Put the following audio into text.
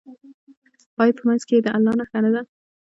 آیا په منځ کې یې د الله نښه نه ده؟